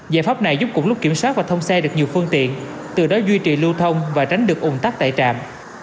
giải pháp này giúp cùng lúc kiểm soát và thông xe được nhiều phương tiện từ đó duy trì lưu thông và tránh được ủng tắc tại trạm